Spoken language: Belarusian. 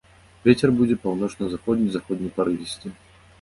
Вецер будзе паўночна-заходні, заходні парывісты.